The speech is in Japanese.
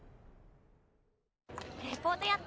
レポートやった？